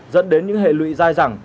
dẫn đến những hệ lụy dai rẳng